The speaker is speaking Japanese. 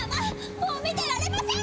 もう見てられませんわ！